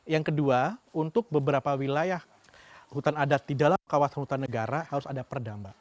yang kedua untuk beberapa wilayah hutan adat di dalam kawasan hutan negara harus ada perda mbak